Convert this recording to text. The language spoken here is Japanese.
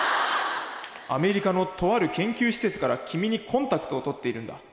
「アメリカのとある研究施設から君にコンタクトを取っているんだ」。